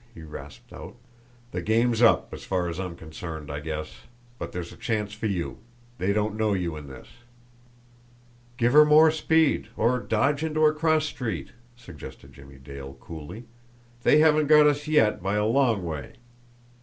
he rasped out. "The game's up, as far as I am concerned, I guess! But there's a chance for you. They don't know you in this." "Give her more speed or dodge into a cross street!" suggested Jimmie Dale coolly. "They haven't got us yet, by a long way!"